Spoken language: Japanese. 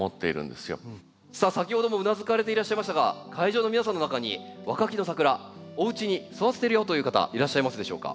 さあ先ほどもうなずかれていらっしゃいましたが会場の皆さんの中にワカキノサクラおうちに育ててるよという方はいらっしゃいますでしょうか？